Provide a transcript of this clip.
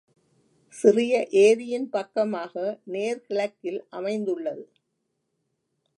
சிறிய ஏரியின் பக்கமாக நேர் கிழக்கில் அமைந்துள்ளது.